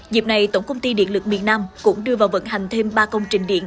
dịp này tổng công ty điện lực miền nam cũng đưa vào vận hành thêm ba công trình điện